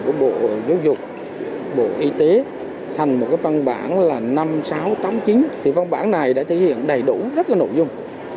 của bộ giáo dục bộ y tế thành một cái văn bản là năm nghìn sáu trăm tám mươi chín thì văn bản này đã thể hiện đầy đủ rất là nội dung